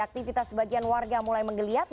aktivitas sebagian warga mulai menggeliat